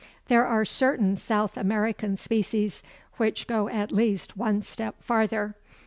There are certain South American species which go at least one step farther.